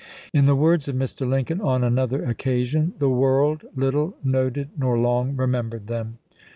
In the words of Mr. Lincoln, on another occasion, the world little noted nor long remembered them.